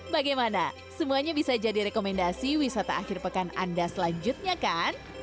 bagaimana semuanya bisa jadi rekomendasi wisata akhir pekan anda selanjutnya kan